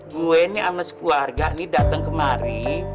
gue ini sama sekeluarga nih dateng kemari